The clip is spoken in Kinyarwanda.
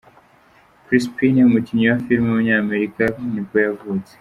Chris Pine, umukinnyi wa filime w’umunyamerika nibwo yavutse.